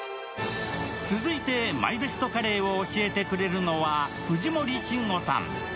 続いてＭＹＢＥＳＴカレーを教えてくれるのは藤森慎吾さん。